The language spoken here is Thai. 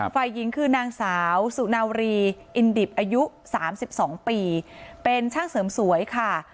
ฝ่ายหญิงคือนางสาวสุนารีอินดิบอายุ๓๒ปีเป็นช่างเสริมสวยค่ะ